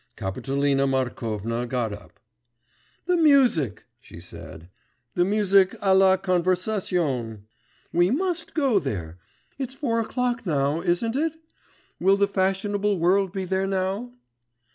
Kapitolina Markovna got up. 'The music!' she said; 'the music à la Conversation!... We must go there. It's four o'clock now ... isn't it? Will the fashionable world be there now?